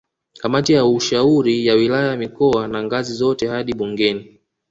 Kamati ya ushauri ya wilaya mikoa na ngazi zote hadi bungeni